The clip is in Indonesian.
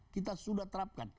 kita sudah terapkan